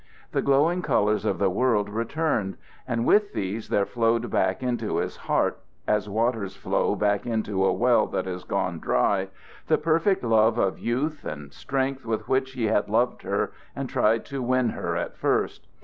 The glowing colors of the world returned; and with these there flowed back into his heart, as waters flow back into a well that has gone dry, the perfect love of youth and strength with which he had loved her and tried to win her at first.